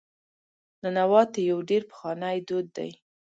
ننواتې یو ډېر پخوانی دود دی.